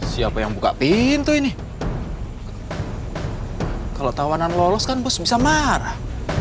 siapa yang buka pintu ini kalau tawanan lolos kan bus bisa marah